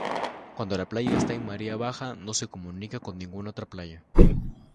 Cuando la playa está en marea baja no se comunica con ninguna otra playa.